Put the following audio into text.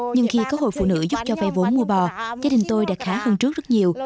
nhưng khi có hội phụ nữ giúp cho vay vốn mua bò gia đình tôi đã khá hơn trước rất nhiều